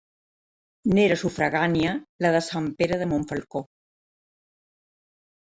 N'era sufragània la de Sant Pere de Montfalcó.